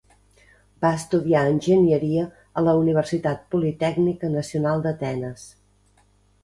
Va estudiar enginyeria a la Universitat Politècnica Nacional d'Atenes.